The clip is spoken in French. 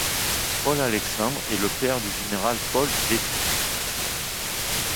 Paul-Alexandre est le père du général Paul Détrie.